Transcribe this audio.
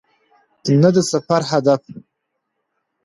نه د سفر هدف .